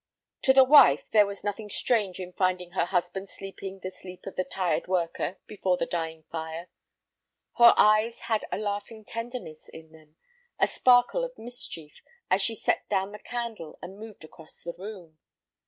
To the wife there was nothing strange in finding her husband sleeping the sleep of the tired worker before the dying fire. Her eyes had a laughing tenderness in them, a sparkle of mischief, as she set down the candle and moved across the room.